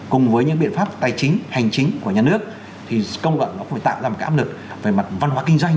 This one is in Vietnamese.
cùng với những biện pháp tài chính hành chính của nhà nước thì công cộng nó cũng phải tạo ra một cái áp lực về mặt văn hóa kinh doanh